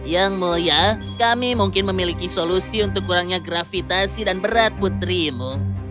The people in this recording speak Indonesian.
yang mulia kami mungkin memiliki solusi untuk kurangnya gravitasi dan berat putrimu